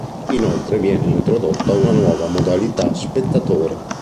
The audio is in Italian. Inoltre viene introdotta una nuova modalità spettatore.